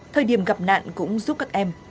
thời điểm gặp nạn cũng giúp các em